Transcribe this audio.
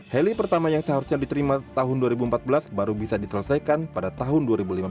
heli pertama yang seharusnya diterima tahun dua ribu empat belas baru bisa diselesaikan pada tahun dua ribu lima belas